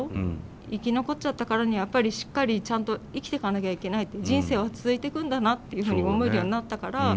生き残っちゃったからにはやっぱりしっかりちゃんと生きてかなきゃいけないって人生は続いてくんだなっていうふうに思えるようになったから。